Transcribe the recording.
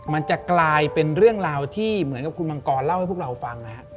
มันจะกลายเป็นเรื่องราวที่เหมือนกับคุณมังกรเล่าให้พวกเราฟังนะฮะ